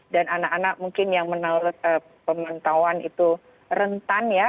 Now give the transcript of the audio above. dan anak anak mungkin yang menurut pementauan itu rentan ya